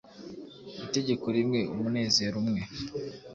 Itegeko rimwe umunezero umwe,